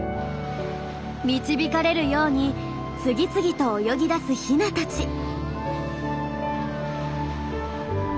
導かれるように次々と泳ぎ出すヒナたち。